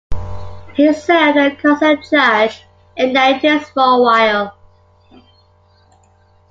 He served as consular judge in Nantes for a while.